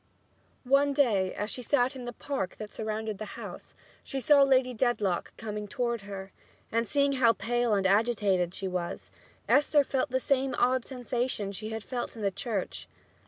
One day, as she sat in the park that surrounded the house, she saw Lady Dedlock coming toward her, and seeing how pale and agitated she was, Esther felt the same odd sensation she had felt in the church.